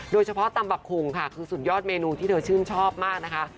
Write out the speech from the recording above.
ตำบักคงค่ะคือสุดยอดเมนูที่เธอชื่นชอบมากนะคะ